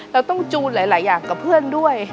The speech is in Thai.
เราต้องจูนหลายอย่างกับเพื่อนด้วย